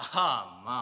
まあ。